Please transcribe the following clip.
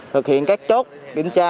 thực hiện các chốt kiểm tra